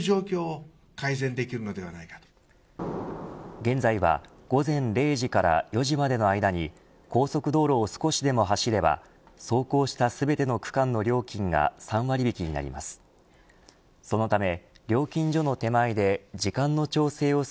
現在は午前０時から４時までの間に高速道路を少しでも走れば走行した全ての区間の料金が３割引きになります。